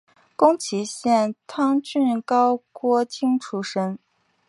宫崎县儿汤郡高锅町出身。